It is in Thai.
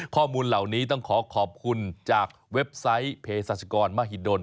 ข้อมูลเหล่านี้ต้องขอขอบคุณจากเว็บไซต์เพศรัชกรมหิดล